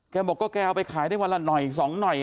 บอกก็แกเอาไปขายได้วันละหน่อย๒หน่อย